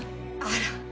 あら。